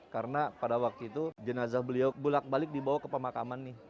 karena pada waktu itu jenazah beliau bulak balik dibawa ke pemakaman nih